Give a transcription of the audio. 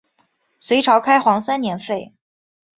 隋朝开皇三年废。